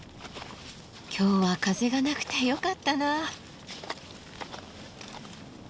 今日は風がなくてよかったな。